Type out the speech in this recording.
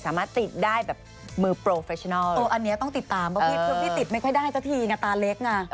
ทำให้คุณผู้ชมสามารถติดได้แบบมือโปรเพชเนิลโอ้อันนี้เราต้องติดตามเพราะพี่พี่ติดไม่ค่อยได้เมื่อกาทีอีกยังตาเล็กงะ